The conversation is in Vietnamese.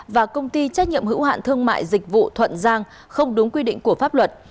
và công ty trách nhiệm hữu hạn thương mại dịch vụ thuận giang không đúng quy định của pháp luật